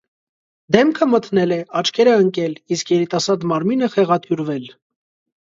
Դեմքը մթնել է, աչքերը՝ ընկել, իսկ երիտասարդ մարմինը՝ խեղաթյուրվել։